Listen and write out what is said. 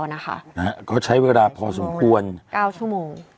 แล้วนะคะก็ใช้เวลาพอจูกควัน๙ชั่วโมง